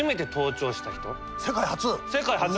世界初？